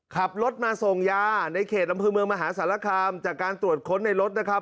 ขับรถมาส่งยาในเขตอำเภอเมืองมหาสารคามจากการตรวจค้นในรถนะครับ